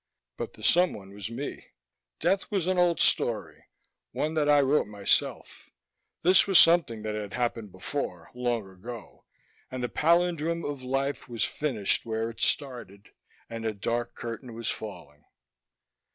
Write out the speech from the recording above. But the someone was me: death was an old story, one that I wrote myself. This was something that had happened before, long ago, and the palindrome of life was finished where it started, and a dark curtain was falling....